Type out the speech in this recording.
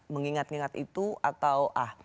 mengingat ingat itu atau ah